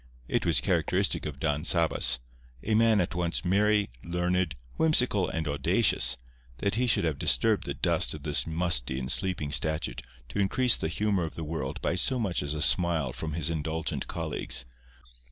It was characteristic of Don Sabas—a man at once merry, learned, whimsical and audacious—that he should have disturbed the dust of this musty and sleeping statute to increase the humour of the world by so much as a smile from his indulgent colleagues.